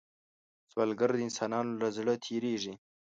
سوالګر د انسانانو له زړه تېرېږي